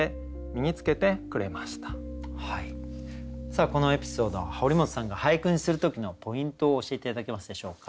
さあこのエピソード堀本さんが俳句にする時のポイントを教えて頂けますでしょうか。